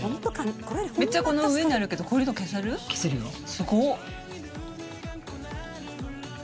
すごっ！